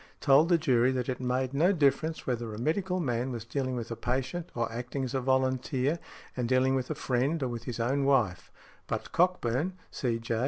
told the jury that it made no difference whether a medical man was dealing with a patient or acting as a volunteer, and dealing with a friend or with his own wife . But Cockburn, C.J.